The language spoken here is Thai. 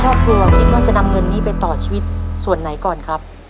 ครอบครัวคิดว่าจะนำเงินนี้ไปต่อชีวิตส่วนไหนก่อนครับ